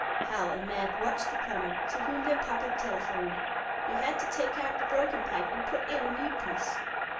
Hal and Mab watched the plumber, to whom their papa telephoned. He had to take out the broken pipe, and put in a new piece.